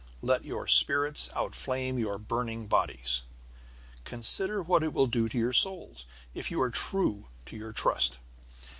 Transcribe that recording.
Let your spirits outflame your burning bodies. Consider what it will do to your souls, if you are true to your trust.